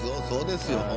そうですよ。